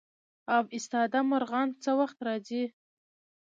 اب ایستاده مرغان څه وخت راځي؟